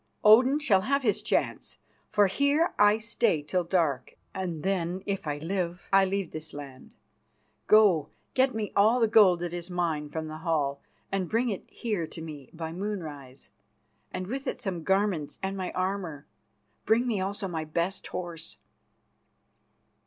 Odin shall have his chance, for here I stay till dark, and then, if I live, I leave this land. Go, get me all the gold that is mine from the hall, and bring it here to me by moonrise, and with it some garments and my armour. Bring me also my best horse."